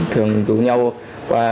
thường giữ nhau qua